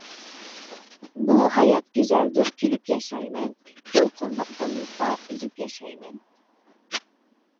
بۇ ھايات گۈزەلدۇر كۈلۈپ ياشايمەن، دولقۇنلۇق دېڭىزدا ئۈزۈپ ياشايمەن.